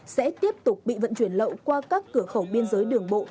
sẽ tiếp tục bị vận chuyển lậu qua các cửa khẩu biên giới đường bộ